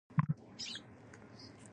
دیني بنسټ استازیتوب وکړي.